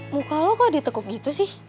muka lo kok ditekup gitu sih